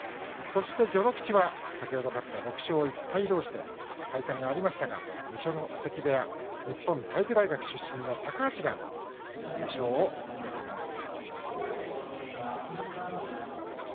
そして、序ノ口は先ほど勝った６勝１敗どうしで対戦がありましたが二所ノ関部屋の日本体育大学出身の高橋が優勝を決めています。